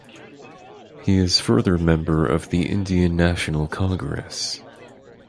He is further member of the Indian National Congress.